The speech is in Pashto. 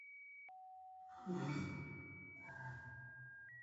چی په تاسی کی تر ټولو ډیر پرهیزګاره وی